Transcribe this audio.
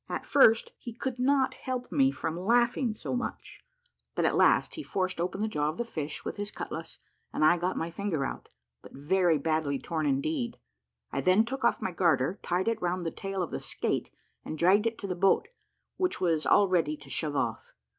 At first he could not help me, from laughing so much; but at last he forced open the jaw of the fish with his cutlass, and I got my finger out, but very badly torn indeed. I then took off my garter, tied it round the tail of the skate, and dragged it to the boat, which was all ready to shove off.